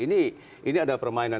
ini ini ada permainan